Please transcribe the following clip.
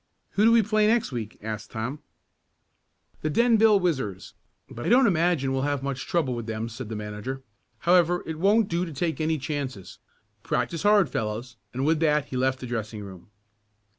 "Who do we play next week?" asked Tom. "The Denville Whizzers, but I don't imagine we'll have much trouble with them," said the manager. "However, it won't do to take any chances. Practice hard, fellows," and with that he left the dressing room.